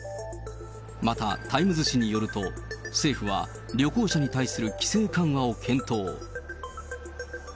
またタイムズ紙によると、政府は旅行者に対する規制緩和を検討。